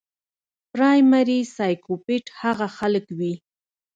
پرايمري سايکوپېت هغه خلک وي